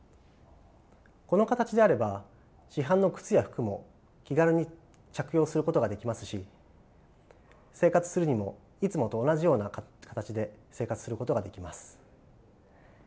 この形であれば市販の靴や服も気軽に着用することができますし生活するにもいつもと同じような形で生活することができます。